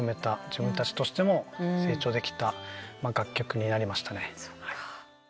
自分たちとしても成長できた楽曲になりましたね。